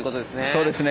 そうですね。